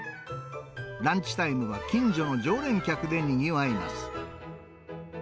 ランチタイムは近所の常連客でにぎわいます。